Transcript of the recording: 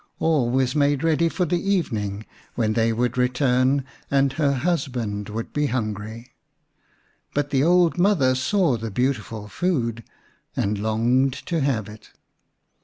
All was made ready for the even ing, when they would return and her husband would be hungry. But the old mother saw the beautiful food and longed to have it.